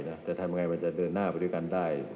จะทำยังไงมันจะเดินหน้าไปด้วยกันได้